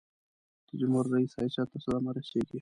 د جمهور رئیس حیثیت ته صدمه رسيږي.